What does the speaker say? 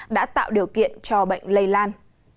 đã tạo điều kiện cho bệnh lây lan